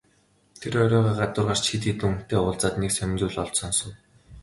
Тэр оройгоо гадуур гарч хэд хэдэн хүнтэй уулзаад нэг сонин зүйл олж сонсов.